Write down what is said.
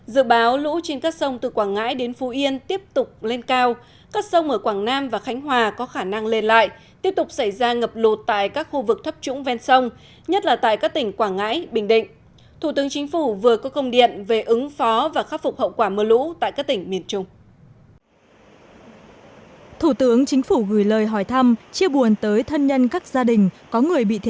dự báo lũ trên các sông từ quảng ngãi đến phú yên tiếp tục lên cao các sông ở quảng nam và khánh hòa có khả năng lên lại tiếp tục xảy ra ngập lụt tại các khu vực thấp trũng ven sông nhất là tại các tỉnh quảng ngãi bình định